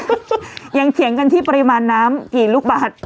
งั้นนั้นก็เลยคุณจะส่งกับยังเถียงกันที่ปริมาณน้ำกี่ลูกบาท